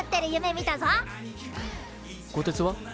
こてつは？